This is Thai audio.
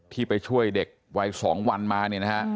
ที่ไปช่วยเด็กวัย๒วันมาเนี่ยนะฮะ